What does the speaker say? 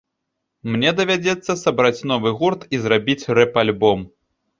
Мне давядзецца сабраць новы гурт і зрабіць рэп-альбом.